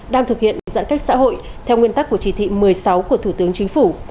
đang thực hiện giãn cách xã hội theo nguyên tắc của chỉ thị một mươi sáu của thủ tướng chính phủ